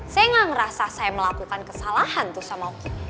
saya gak ngerasa saya melakukan kesalahan tuh sama oki